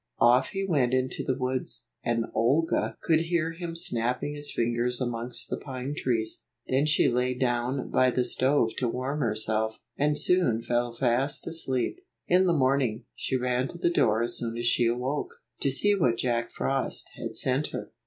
Off he went into the woods, and Olga could hear him snapping his fingers amongst the pine trees. Then she lay down by the stove to warm herself, and soon fell fast asleep. In the morning, she ran to the door as soon as she awoke, to see what Jack Frost had sent her.